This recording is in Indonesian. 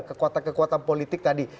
kekuatan kekuatan politik tadi